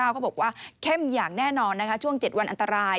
เขาบอกว่าเข้มอย่างแน่นอนช่วง๗วันอันตราย